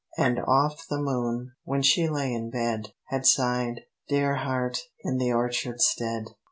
And oft the moon, when she lay in bed, Had sighed, "Dear heart, in the orchardstead.